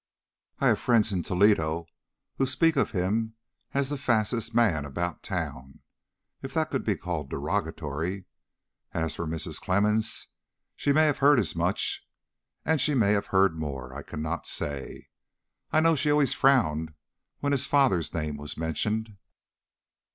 "I have friends in Toledo who speak of him as the fastest man about town, if that could be called derogatory. As for Mrs. Clemmens, she may have heard as much, and she may have heard more, I cannot say. I know she always frowned when his father's name was mentioned."